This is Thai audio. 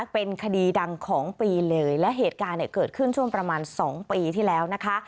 เป็นคดีดังของปีเลยและเหตุการณ์เนี่ยเกิดขึ้นช่วงประมาณ๒ปีที่แล้วนะคะ